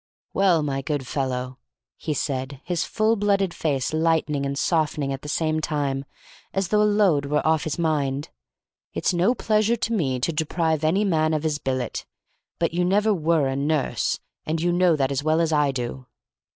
"Well, my good fellow," he said, his full blooded face lightening and softening at the same time, as though a load were off his mind, "it's no pleasure to me to deprive any man of his billet, but you never were a nurse, and you know that as well as I do."